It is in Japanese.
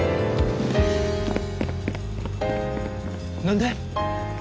何で！？